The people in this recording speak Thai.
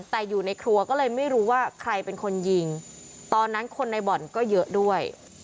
แต่อยู่ในครัวก็เลยไม่รู้ว่าใครเป็นคนยิงตอนนั้นคนในบ่อนก็เยอะด้วย